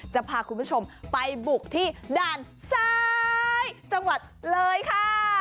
จะพาคุณผู้ชมไปบุกที่ด่านซ้ายจังหวัดเลยค่ะ